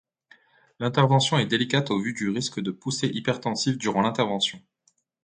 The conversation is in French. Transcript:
L'intervention est délicate au vu du risque de poussée hypertensive durant l'intervention.